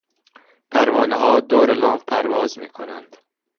پروانهها دور لامپ پرواز میکنند.